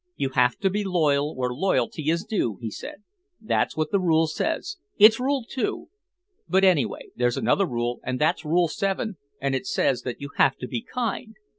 "You have to be loyal where loyalty is due," he said. "That's what the rule says; it's Rule Two. But, anyway, there's another rule and that's Rule Seven and it says you have to be kind.